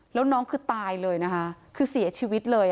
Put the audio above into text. แล้วน้องคือตายเลยนะคะคือเสียชีวิตเลย